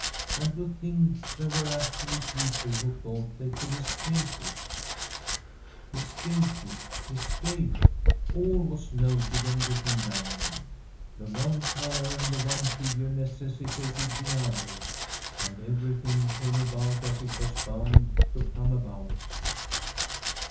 And to think there were actually people who thought they could escape it I Escape it ! escape ! All was noted and written down ; the one colour and the one figure necessi tated the other, and everything came about as it was bound to come about.